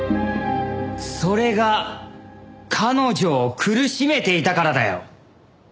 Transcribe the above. それが彼女を苦しめていたからだよ！